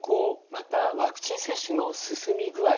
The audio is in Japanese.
またワクチン接種の進み具合